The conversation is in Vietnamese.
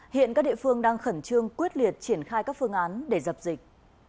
hiện các địa phương đang khẩn trương quyết liệt triển khai các phương án để dập dịch